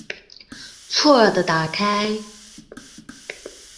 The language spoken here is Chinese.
错愕的看着打开的门